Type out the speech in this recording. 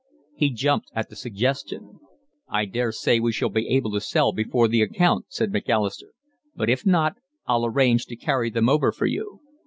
He jumped at the suggestion. "I daresay we shall be able to sell before the account," said Macalister, "but if not, I'll arrange to carry them over for you."